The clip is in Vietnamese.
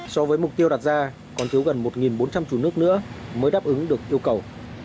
so với mục tiêu đặt ra còn thiếu gần một bốn trăm linh trụ nước nữa mới đáp ứng được yêu cầu